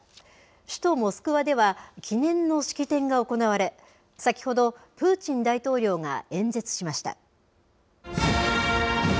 首都モスクワでは、記念の式典が行われ、先ほど、プーチン大統領が演説しました。